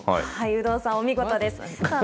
有働さん、お見事です。